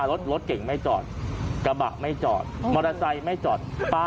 รถรถเก่งไม่จอดกระบะไม่จอดมอเตอร์ไซค์ไม่จอดป๊า